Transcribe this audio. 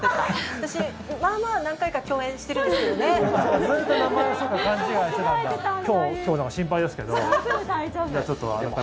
私、まあまあ何回か共演してるんですけどね。